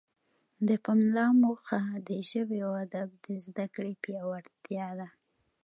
د پملا موخه د ژبې او ادب د زده کړې پیاوړتیا ده.